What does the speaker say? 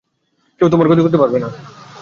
কেউ তোমার ক্ষতি করতে পারবে না।